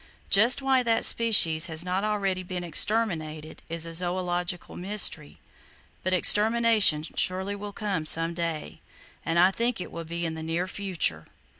Just why that species has not already been exterminated, is a zoological mystery; but extermination surely will come some day, and I think it will be in the near future.